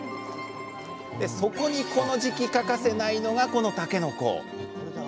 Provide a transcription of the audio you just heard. そこにこの時期欠かせないのがこのたけのこ。